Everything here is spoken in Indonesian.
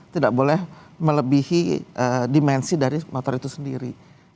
tidak boleh melebihi dimensi dari motor itu sendiri